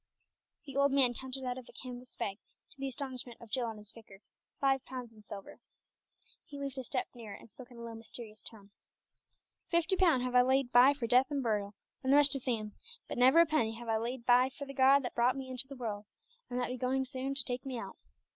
The old man counted out of a canvas bag, to the astonishment of Jill and his vicar, five pounds in silver. He moved a step nearer and spoke in a low, mysterious tone "Fifty pun have I laid by for death and burial, and the rest to Sam, but never a penny have I laid by for the God that brought me into the world, and that be soon going to take me out.